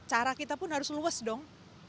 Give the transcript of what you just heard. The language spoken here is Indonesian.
cara kita pun harus luas dong